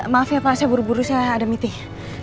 maaf ya pak saya buru buru saya ada mitih